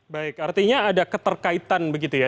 baik artinya ada keterkaitan begitu ya